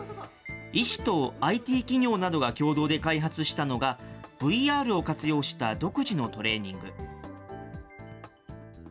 医師とＩＴ企業などが共同で開発したのが、ＶＲを活用した独自のトレーニング。